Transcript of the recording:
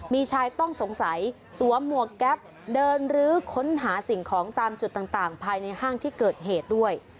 มีชายต้องสงสัยสวมหมวกแก๊ปเดินรื้อค้นหาสิ่งของตามจุดต่างภายในห้างที่เกิดเหตุด้วย